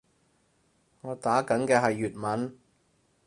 我打緊嘅係粵文